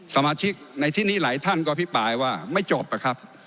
สมาชิกในที่นี้หลายท่านก็อภิปรายว่าไม่จบนะครับ